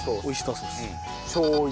しょう油。